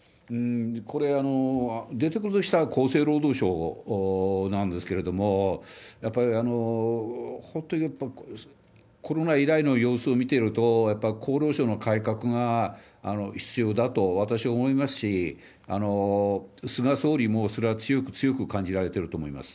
これ、出てくるとしたら厚生労働省なんですけれども、やっぱり本当、やっぱりコロナ以来の様相を見ていると、やっぱり厚労省の改革が必要だと、私思いますし、菅総理もそれは強く強く感じられてると思います。